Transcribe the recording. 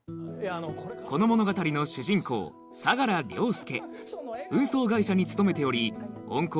この物語の主人公相良凌介